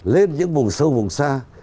lên những vùng sâu vùng xa